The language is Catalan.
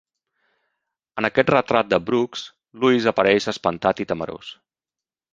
En aquest retrat de Brooks, Lewis apareix espantat i temerós.